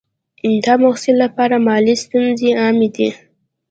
د محصل لپاره مالي ستونزې عامې دي.